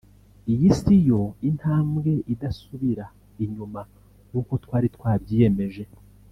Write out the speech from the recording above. iyi siyo intambwe idasubira inyuma nkuko twari twabyiyemeje